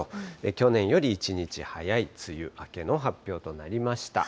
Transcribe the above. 去年より１日早い梅雨明けの発表となりました。